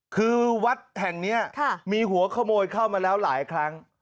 คือวัดแห่งนี้มีหัวขโมยเข้ามาแล้วหลายครั้ง